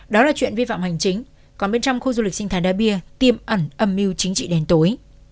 đó là chuyện vi phạm hành chính còn bên trong khu du lịch sinh thái da bia tiêm ẩn âm mưu chính trị đèn tối